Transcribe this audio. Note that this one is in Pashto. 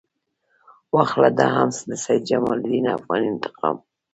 واخله دا هم د سید جمال الدین افغاني انتقام.